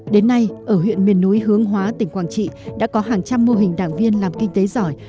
đến nay ở huyện miền núi hướng hóa tỉnh quảng trị đã có hàng trăm mô hình đảng viên làm kinh tế giỏi